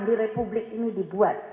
di republik ini dibuat